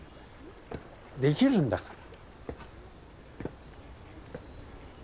できるんだから。